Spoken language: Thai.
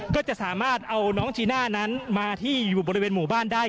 ก็จะสามารถเอาน้องจีน่านั้นมาที่อยู่บริเวณหมู่บ้านได้